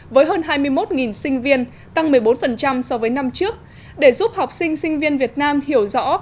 với hơn hai mươi một sinh viên tăng một mươi bốn so với năm trước để giúp học sinh sinh viên việt nam hiểu rõ